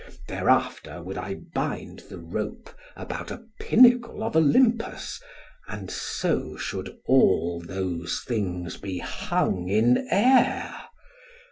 Thereafter would I bind the rope about a pinnacle of Olympus, and so should all those things be hung in air.